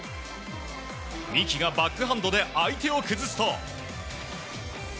三木がバックハンドで相手を崩すと。